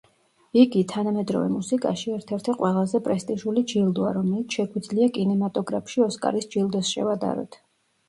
იგი, თანამედროვე მუსიკაში ერთ-ერთი ყველაზე პრესტიჟული ჯილდოა, რომელიც შეგვიძლია კინემატოგრაფში „ოსკარის“ ჯილდოს შევადაროთ.